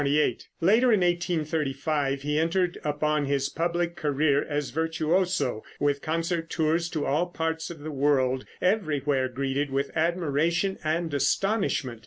Later, in 1835, he entered upon his public career as virtuoso with concert tours to all parts of the world, everywhere greeted with admiration and astonishment.